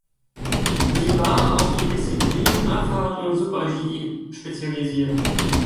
Sie war auf die Disziplinen Abfahrt und Super-G spezialisiert.